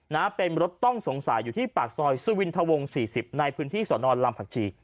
นะเป็นรถต้องสงสัยอยู่ที่ปากซอยสุวินทวงสี่สิบในพื้นที่สอนอนลำผักชี